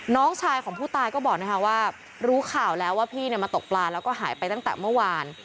น้องชายของผู้ตายก็บอกว่ารู้ข่าวแล้วว่าพี่มาตกปลาแล้วก็หายไปตั้งแต่เมื่อวาน